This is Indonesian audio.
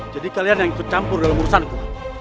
jadi kalian yang tercampur dalam urusanku